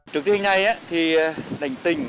trước tiên ngày thì đành tình